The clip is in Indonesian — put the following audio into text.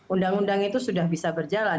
undang undang itu sudah bisa berjalan